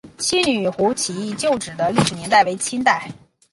七女湖起义旧址的历史年代为清代。